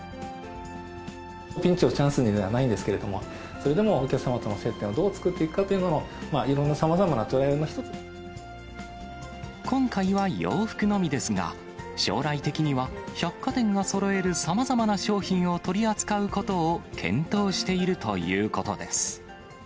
ピンチをチャンスにではないんですけれども、それでもお客様との接点をどう作っていくかというのを、いろんな、今回は洋服のみですが、将来的には百貨店がそろえるさまざまな商品を取り扱うことを検討しているということです。